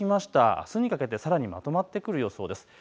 あすにかけてさらにまとまる様子です。